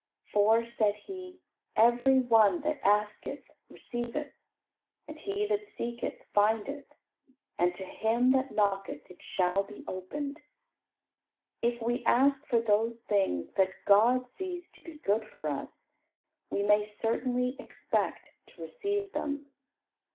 For, said He, "every one that asketh receiveth; and he that seeketh findeth; and to him that knocketh it shall be opened." If we ask for those things that God sees to be good for us, we may certainly expect to receive them.